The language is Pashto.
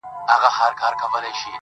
خلک واخلي د باغلیو درمندونه -